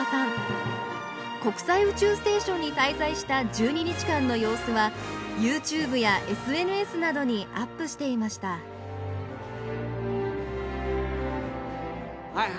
国際宇宙ステーションに滞在した１２日間の様子はＹｏｕＴｕｂｅやＳＮＳなどにアップしていましたはい！